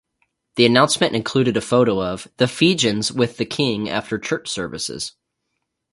The announcement included a photo of "the Fijians with the King after church services".